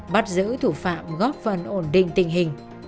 bắt giữ thủ phạm góp phần ổn định tình hình